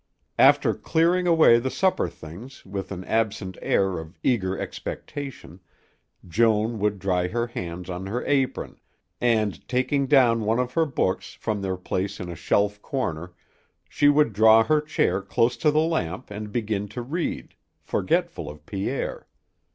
After clearing away the supper things with an absent air of eager expectation, Joan would dry her hands on her apron, and, taking down one of her books from their place in a shelf corner, she would draw her chair close to the lamp and begin to read, forgetful of Pierre.